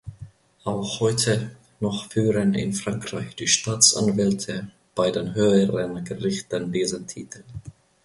Auch heute noch führen in Frankreich die Staatsanwälte bei den höheren Gerichten diesen Titel.